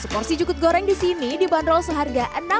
seporsi jukut goreng disini dibanderol seharga